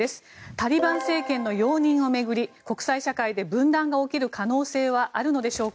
タリバン政権の容認を巡り国際社会で分断が起きる可能性はあるのでしょうか。